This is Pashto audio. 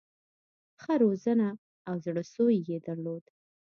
ښه روزنه او زړه سوی یې درلود.